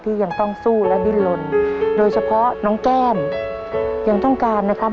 ยังต้องสู้และดิ้นลนโดยเฉพาะน้องแก้มยังต้องการนะครับ